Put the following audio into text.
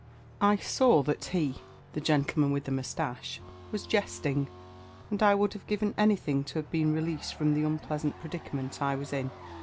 I saw that he (the gentleman with the moustache) was jesting, and I would have given anything to have been released from the unpleasant predicament I was in.